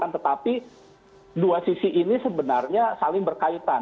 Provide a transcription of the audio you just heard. tetapi dua sisi ini sebenarnya saling berkaitan